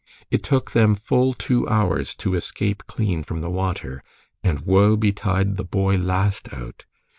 It took them full two hours to escape clean from the water, and woe betide the boy last out.